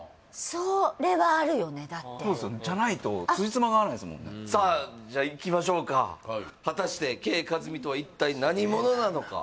そうですよねじゃないとつじつまが合わないっすもんねさあじゃいきましょうか果たしてＫ．カズミとは一体何者なのか？